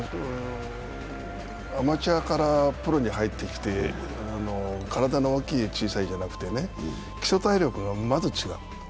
アマチュアからプロに入ってきて体の大きい、小さいじゃなくて基礎体力がまず違う。